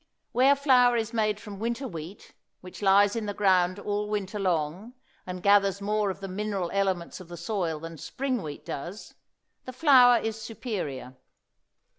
Where flour is made from winter wheat, which lies in the ground all winter long and gathers more of the mineral elements of the soil than spring wheat does, the flour is superior.